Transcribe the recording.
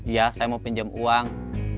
iya saya mau pinjem uang